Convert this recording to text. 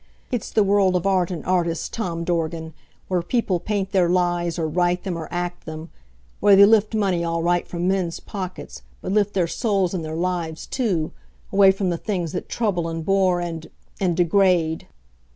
It's the world of art and artists, Tom Dorgan, where people paint their lies, or write them, or act them; where they lift money all right from men's pockets, but lift their souls and their lives, too, away from the things that trouble and bore and and degrade.